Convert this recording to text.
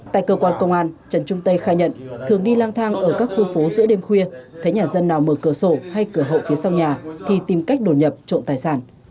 tại cơ quan công an trần trung tây khai nhận thường đi lang thang ở các khu phố giữa đêm khuya thấy nhà dân nào mở cửa sổ hay cửa hậu phía sau nhà thì tìm cách đổ nhập trộm tài sản